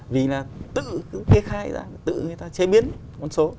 vì là tự cứ kê khai ra tự người ta chế biến con số